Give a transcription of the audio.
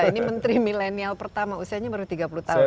ini menteri milenial pertama usianya baru tiga puluh tahun